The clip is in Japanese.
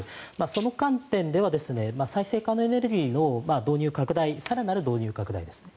その観点では再生可能エネルギーの更なる導入拡大ですね。